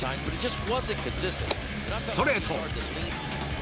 ストレート！